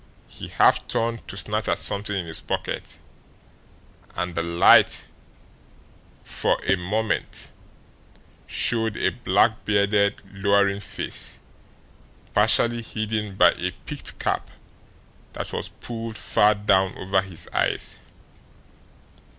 He half turned to snatch at something in his pocket, and the light for a moment showed a black bearded, lowering face, partially hidden by a peaked cap that was pulled far down over his eyes.